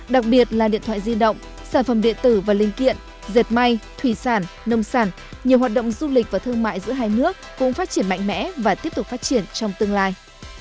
đặc biệt là điện thoại di động sản phẩm điện tử và linh kiện dệt may thủy sản nông sản nhiều hoạt động du lịch và thương mại giữa hai nước cũng phát triển mạnh mẽ và tiếp tục phát triển trong tương lai